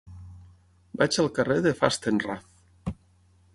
Vaig al carrer de Fastenrath.